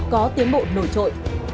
có tiến bộ nổi trội